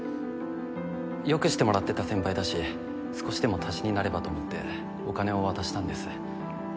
よくしてもらってた先輩だし少しでも足しになればと思ってお金を渡したんです。